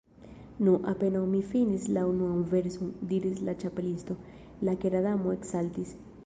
"Nu, apenaŭ mi finis la unuan verson," diris la Ĉapelisto, "la Kera Damo eksaltis. »